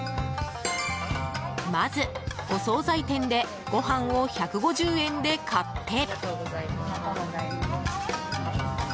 まず、お総菜店でご飯を１５０円で買って。